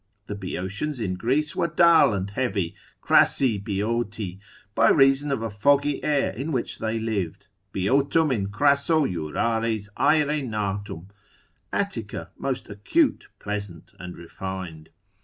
The Boeotians in Greece were dull and heavy, crassi Boeoti, by reason of a foggy air in which they lived, Boeotum in crasso jurares aere natum, Attica most acute, pleasant, and refined.